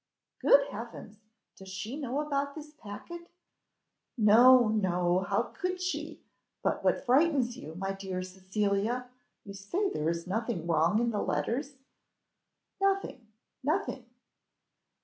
"Good heavens! Does she know about this packet?" "No, no! how could she? But what frightens you, my dear Cecilia? you say there is nothing wrong in the letters?" "Nothing nothing."